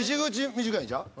短いんちゃう？